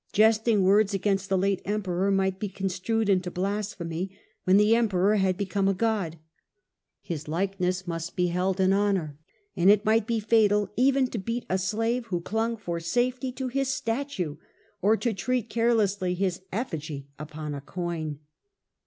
Jesting words against the late Emperor might be construed into blasphemy when the Emperor had become a god. His likeness must be held in honour, and it might be fatal even to beat a slave who clung for safety to his statue, or to treat carelessly his effigy upon a coin.